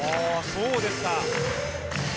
そうですか